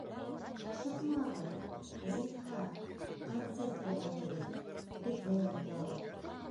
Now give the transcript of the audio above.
Ашыҡмағыҙ, зинһар, концерт күрһәтегеҙ, беҙҙә йоҡлағыҙ...